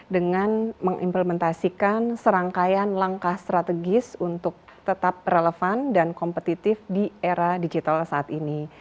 dengan mengimplementasikan serangkaian langkah strategis untuk tetap relevan dan kompetitif di era digital saat ini